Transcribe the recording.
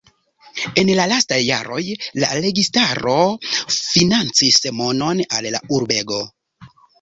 En la lastaj jaroj la registaro financis monon al la urbego.